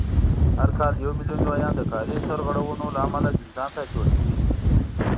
هر کال یو میلیون لویان د کاري سرغړونو له امله زندان ته اچول کېدل